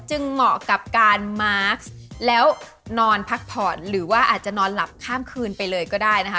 เหมาะกับการมาร์คแล้วนอนพักผ่อนหรือว่าอาจจะนอนหลับข้ามคืนไปเลยก็ได้นะคะ